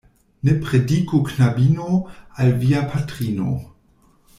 Ne prediku knabino al via patrino.